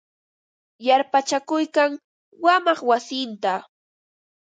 Yarpachakuykan wamaq wasinta.